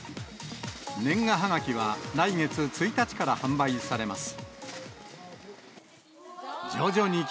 年賀はがきは来月１日から販売されます。